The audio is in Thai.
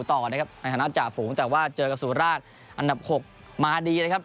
ต่อนะครับในฐานะจ่าฝูงแต่ว่าเจอกับสุราชอันดับ๖มาดีนะครับ